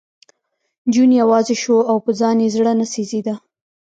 جون یوازې شو او په ځان یې زړه نه سېزېده